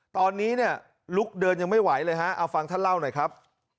ตอนนี้เนี่ยลุกเดินยังไม่ไหวเลยฮะเอาฟังท่านเล่าหน่อยครับ